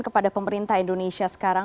kepada pemerintah indonesia sekarang